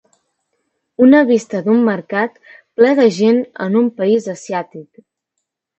Una vista d'un mercat ple de gent en un país asiàtic.